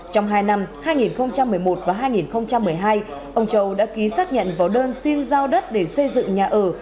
trong hai năm hai nghìn một mươi một và hai nghìn một mươi hai ông châu đã ký xác nhận vào đơn xin giao đất để xây dựng nhà ở